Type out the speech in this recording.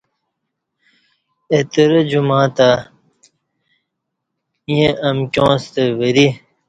اہ ترہ جمعہ تہ ایں امکیاں ستہ وری